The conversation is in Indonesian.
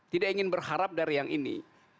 tidak ingin berharap dari yang ini